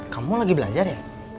kamu lagi belajar ya